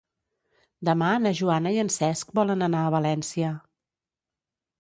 Demà na Joana i en Cesc volen anar a València.